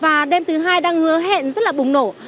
và đêm thứ hai đang hứa hẹn rất là bùng nổ